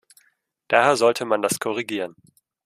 Daher sollte man das korrigieren!